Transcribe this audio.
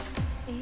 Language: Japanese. え⁉